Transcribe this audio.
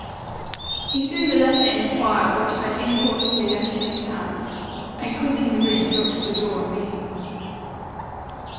"He threw the letter in the fire, which I had incautiously left in his hands; and, quitting the room, locked the door on me.